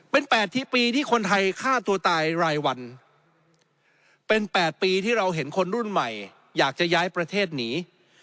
เป็น๘ที่ปีที่คนไทยฆ่าตัวตายรายวันเป็น๘ปีที่เราเห็นคนรุ่นใหม่อยากจะย้ายประเทศหนี